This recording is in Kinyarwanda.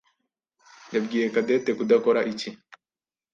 yabwiye Cadette kudakora iki?